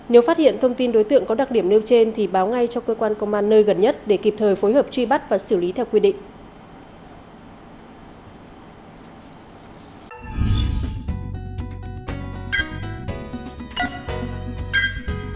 nếu phát hiện thông tin đối tượng có đặc điểm nêu trên thì báo ngay cho cơ quan công an nơi gần nhất để kịp thời phối hợp truy bắt và xử lý theo quy định